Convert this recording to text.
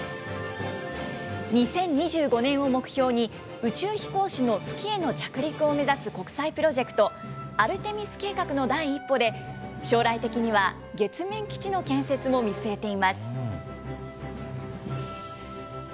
２０２５年を目標に、宇宙飛行士の月への着陸を目指す国際プロジェクト、アルテミス計画の第一歩で、将来的には月面基地の建設も見据えています。